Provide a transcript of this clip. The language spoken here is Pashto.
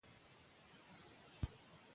که شفافیت وي، اعتماد لوړېږي.